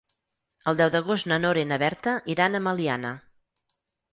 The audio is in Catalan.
El deu d'agost na Nora i na Berta iran a Meliana.